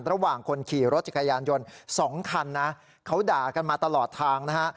ระหว่างคนขี่รถจักรยานยนต์สองคันนะเขาด่ากันมาตลอดทางนะฮะ